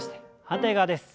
反対側です。